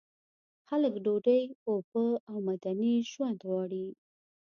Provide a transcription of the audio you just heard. خلک ډوډۍ، اوبه او مدني ژوند غواړي.